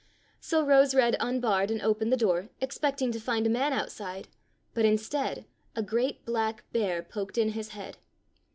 So Rose red unbarred and opened the door expecting to find a man outside, but, instead, a great black bear poked in his head.